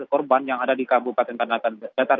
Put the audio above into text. korban yang ada di kabupaten tanah datar